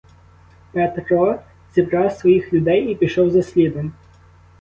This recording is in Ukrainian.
Петро зібрав своїх людей і пішов за слідом.